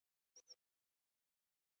د تهران يونيورسټۍ نه د پښتو او فارسي ژبې